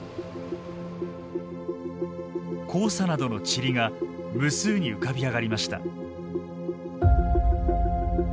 黄砂などの塵が無数に浮かび上がりました。